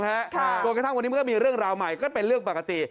ตัวแค่ครั้งค่อนข้างวันนี้เมื่อมีเรื่องราวใหม่ก็เป็นเรื่องปกติ